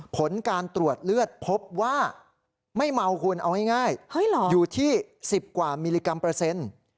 ผลการตรวจเลือดพบว่าไม่เมาคุณเอาง่ายอยู่ที่๑๐กว่ามิลลิกรัมเปอร์เซ็นต์